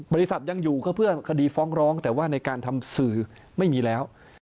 บริษัทยังอยู่ก็เพื่อคดีฟ้องร้องแต่ว่าในการทำสื่อไม่มีแล้ว